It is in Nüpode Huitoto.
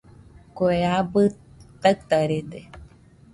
Kue abɨ taɨtaɨrede